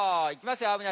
いきますよ